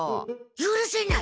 ゆるせない！